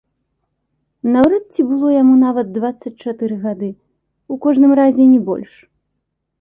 Наўрад ці было яму нават дваццаць чатыры гады, у кожным разе не больш.